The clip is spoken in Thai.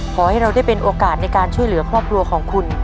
ขอให้เราได้เป็นโอกาสในการช่วยเหลือครอบครัวของคุณ